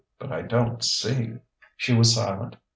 "But I don't see...." She was silent.